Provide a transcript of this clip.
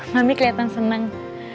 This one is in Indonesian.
mami kelihatan senang